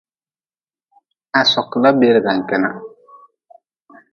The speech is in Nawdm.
Ha sokla bergan kenah.